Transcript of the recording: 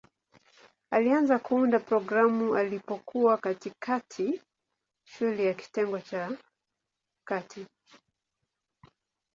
Alianza kuunda programu alipokuwa katikati shule ya kitengo cha kati.